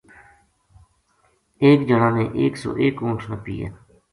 ایک جنا نے ایک سو ایک اُونٹھ نپی ہے